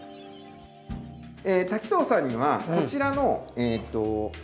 滝藤さんにはこちらのえと。